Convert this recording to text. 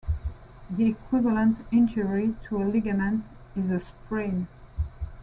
The equivalent injury to a ligament is a sprain.